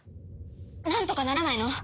なんとかならないの？